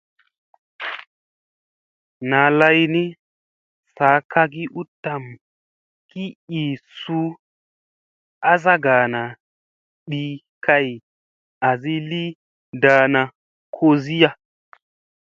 ɴaa lay ni sa kagi u tam ki ii suu azagani ɗi kay azi li ndaana koziya.